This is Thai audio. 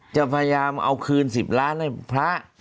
จะพยายามเอาคืน๑๐ล้านให้พระ